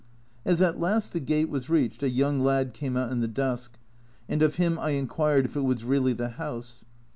As at last the gate was reached, a young lad came out in the dusk, and of him I inquired if it was really the house.